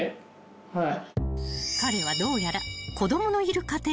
はい。